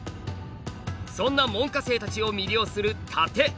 そんな門下生たちを魅了する殺陣。